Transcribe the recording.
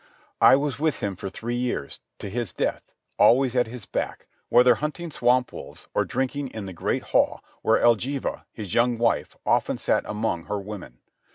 I was with him for three years, to his death, always at his back, whether hunting swamp wolves or drinking in the great hall where Elgiva, his young wife, often sat among her women.